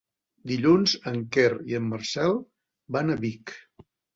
Dilluns en Quer i en Marcel van a Vic.